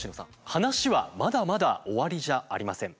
話はまだまだ終わりじゃありません。